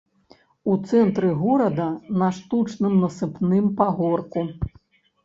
У цэнтры горада, на штучным насыпным пагорку.